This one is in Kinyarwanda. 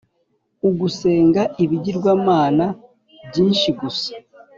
Ugusenga ibigirwamana byinshi gusa